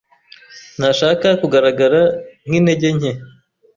ntashaka kugaragara nkintege nke.